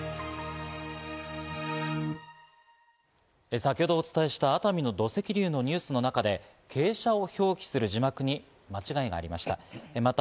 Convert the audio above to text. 先ほどお伝えした熱海の土石流のニュースの中で傾斜を表記する字幕に間違いがありました。